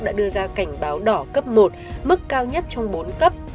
đã đưa ra cảnh báo đỏ cấp một mức cao nhất trong bốn cấp